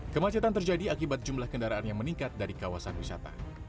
kemacetan terjadi akibat jumlah kendaraan yang meningkat dari kawasan wisata